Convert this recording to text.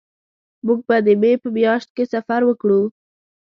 مونږ به د مې په میاشت کې سفر وکړو